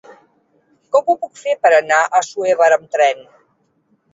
Com ho puc fer per anar a Assuévar amb tren?